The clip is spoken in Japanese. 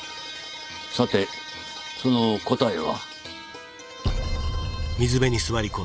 さてその答えは？